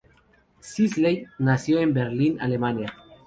Sisley nació en Berlín, Alemania.